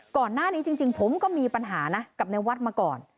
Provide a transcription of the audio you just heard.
ก่อนหน้านี้จริงผมก็มีปัญหานะกับในวัดมาก่อน